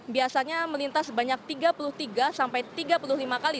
biasanya melintas sebanyak tiga puluh tiga sampai tiga puluh lima kali